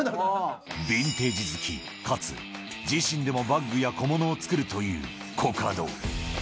ビンテージ好き、かつ自身でもバッグや小物を作るというコカド。